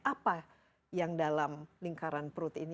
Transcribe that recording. apa yang dalam lingkaran perut ini